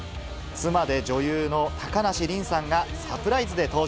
妻で女優の高梨臨さんがサプライズで登場。